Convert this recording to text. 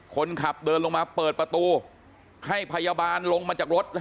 คนขับเดินลงมาเปิดประตูให้พยาบาลลงมาจากรถ